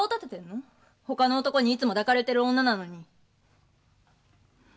ほかの男にいつも抱かれてる女なのに。